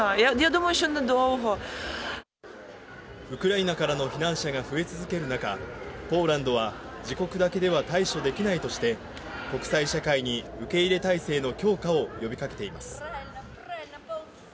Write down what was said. ウクライナからの避難者が増え続ける中、ポーランドは自国だけでは対処できないとして国際社会に受け入れ態勢の強化を呼びかけています。